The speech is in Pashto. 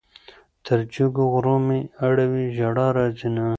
تر جګو غرو مې اړوي ژړا راځينه